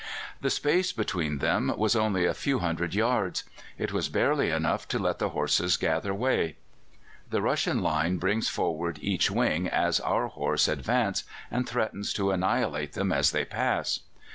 "The space between them was only a few hundred yards; it was barely enough to let the horses gather way. The Russian line brings forward each wing as our horse advance, and threatens to annihilate them as they pass.